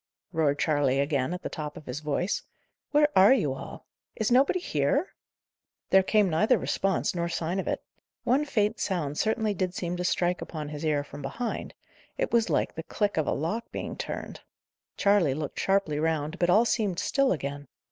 roared Charley again, at the top of his voice, "where are you all? Is nobody here?" There came neither response nor sign of it. One faint sound certainly did seem to strike upon his ear from behind; it was like the click of a lock being turned. Charley looked sharply round, but all seemed still again.